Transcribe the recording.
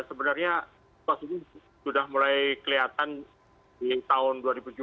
sebenarnya sudah mulai kelihatan di tahun dua ribu tujuh belas